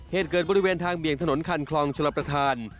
เหตุเกิดบริเวณทางเบี่ยงถนนคันคลองชลประธาน